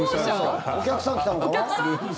お客さん来たのかな？